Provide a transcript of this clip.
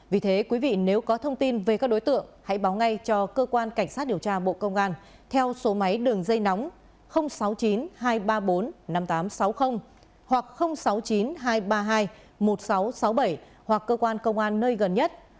vì thế quý vị nếu có thông tin về các đối tượng hãy báo ngay cho cơ quan cảnh sát điều tra bộ công an theo số máy đường dây nóng sáu mươi chín hai trăm ba mươi bốn năm nghìn tám trăm sáu mươi hoặc sáu mươi chín hai trăm ba mươi hai một nghìn sáu trăm sáu mươi bảy hoặc cơ quan công an nơi gần nhất